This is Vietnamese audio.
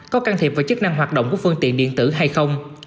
có can thiệp vào chức năng hoạt động của phương tiện điện tử hay không